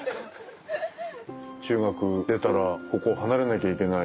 中学出たらここを離れなきゃいけない。